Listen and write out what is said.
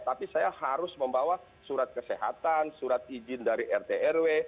tapi saya harus membawa surat kesehatan surat izin dari rt rw